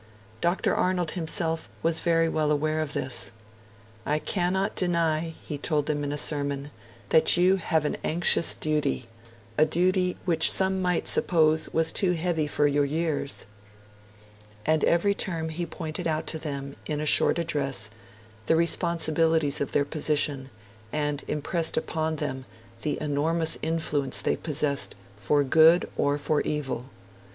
Dr. Arnold himself was very well aware of this. 'I cannot deny,' he told them in a sermon, 'that you have an anxious duty a duty which some might suppose was too heavy for your years'; and every term he pointed out to them, in a short address, the responsibilities of their position, and impressed upon them 'the enormous influence' they possessed 'for good or for evil'.